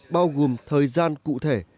bao gồm thời gian cụ thể